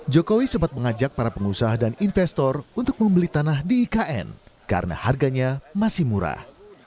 jokowi sempat mengajak para pengusaha dan investor untuk membeli tanah di ikn karena harganya masih murah